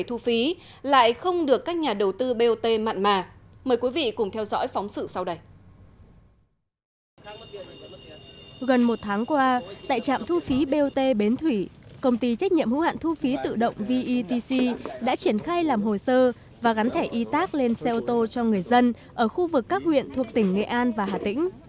thu phí tự động vetc đã triển khai làm hồ sơ và gắn thẻ y tác lên xe ô tô cho người dân ở khu vực các huyện thuộc tỉnh nghệ an và hà tĩnh